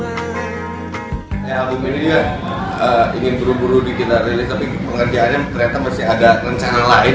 album ini ingin buru buru kita rilis tapi pengerjaannya ternyata masih ada rencana lain